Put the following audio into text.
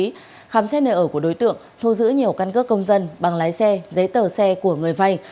khi khám xét nơi ở của đối tượng thu giữ nhiều căn cơ công dân bằng lái xe giấy tờ xe của người vay